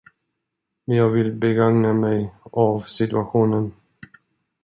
Men jag ville begagna mig av situationen.